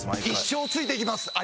一生ついていきます！